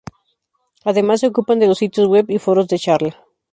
Además, se ocupan de los sitios web y foros de charla.